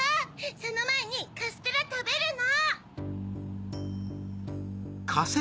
そのまえにカステラたべるの！